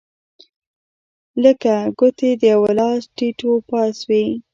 لکه ګوتې د یوه لاس ټیت و پاس وې.